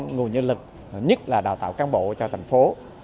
nguồn nhân lực nhất là đào tạo cán bộ cho thành phố